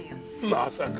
まさか！